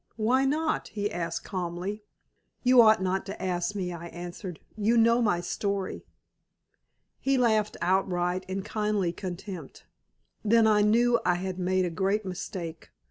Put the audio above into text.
"Why not?" he asked, calmly. "You ought not to ask me," I answered. "You know my story." He laughed outright in kindly contempt. Then I knew I had made a great mistake.